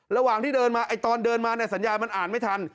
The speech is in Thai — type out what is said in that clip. ระหว่างที่เดินมาตอนเดินมาเนี่ยสัญญาณมันอ่านไม่ทัน